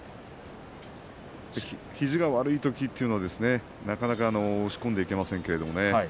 肘が悪いときというのはなかなか押し込んでいけませんけれどね。